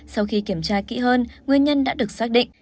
sau khi kiểm tra kỹ hơn nguyên nhân đã được xác định